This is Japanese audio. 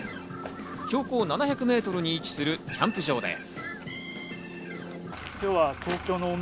標高７００メートルに位置するキャンプ場です。